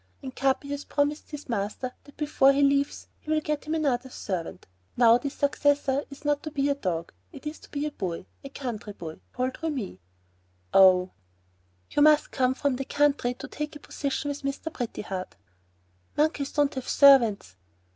And Capi has promised his master that before he leaves he will get him another servant. Now this successor is not to be a dog, it is to be a boy, a country boy named Remi." "Oh...." "You have just come from the country to take a position with Mr. Pretty Heart." "Monkeys don't have servants."